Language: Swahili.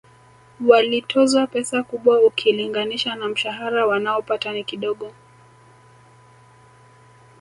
Walitozwa pesa kubwa ukilinganisha na mshahara wanaopata ni kidogo